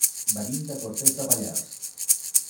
Venim de Cortes de Pallars.